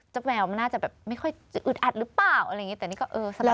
เจ้าแมวมันน่าจะไม่ค่อยอึดอัดหรือเปล่าอะไรอย่างนี้แต่นี่ก็สมัคร